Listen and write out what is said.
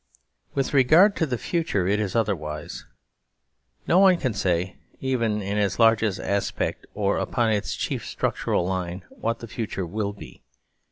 With regard to the future it is otherwise. No one can say even in its largest aspect or upon its chief structural line what that future will be.